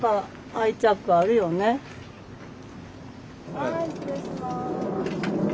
はい失礼します。